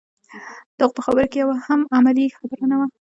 د هغه په خبرو کې یوه هم علمي خبره نه وه.